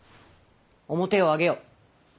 面を上げよ！